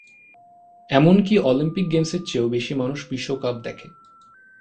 এমনকি অলিম্পিক গেমসের চেয়েও বেশি মানুষ বিশ্বকাপ দেখে থাকে।